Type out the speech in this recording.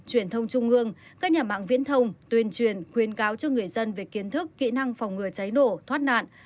truyền thông trung ương các nhà mạng viễn thông tuyên truyền khuyến cáo cho người dân về kiến thức kỹ năng phòng ngừa cháy nổ thoát nạn